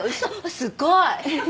すごい！